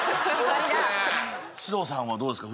獅童さんはどうですか？